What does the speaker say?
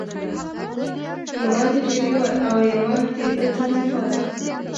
یوه د ډریور او یوه د بل تن له پاره.